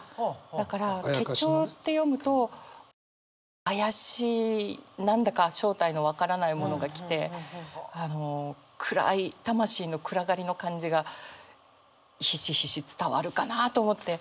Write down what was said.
だから「けちょう」って読むとこの怪しい何だか正体の分からないものが来てあの暗い魂の暗がりの感じがひしひし伝わるかなあと思って。